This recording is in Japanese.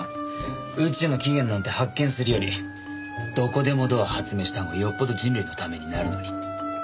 宇宙の起源なんて発見するよりどこでもドア発明したほうがよっぽど人類のためになるのに。